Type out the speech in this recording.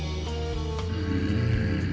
うん。